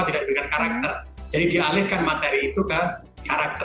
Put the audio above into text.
tidak diberikan karakter jadi dialihkan materi itu ke karakter